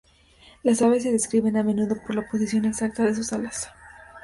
Las aves se describen a menudo por la posición exacta de sus alas.